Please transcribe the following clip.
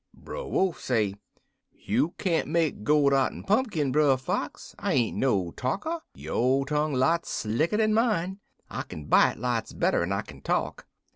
"Brer Wolf say, 'You can't make gourd out'n punkin, Brer Fox. I ain't no talker. Yo' tongue lots slicker dan mine. I kin bite lots better'n I kin talk.